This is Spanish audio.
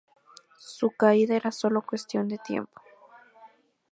Su caída era solo cuestión de tiempo.